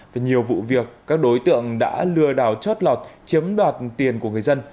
và nhiều vụ việc các đối tượng đã lừa đảo chót lọt chiếm đoạt tiền của người dân